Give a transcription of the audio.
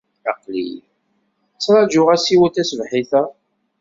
Aql-i ttrajuɣ asiwel taṣebḥit-a.